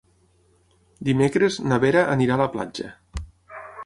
Dimecres na Vera anirà a la platja.